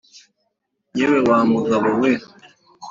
yewe wa mugabo we